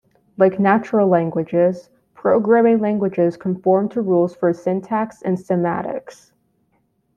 Like natural languages, programming languages conform to rules for syntax and semantics.